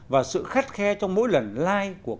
và sự khát khe trong mỗi lần like của công chúng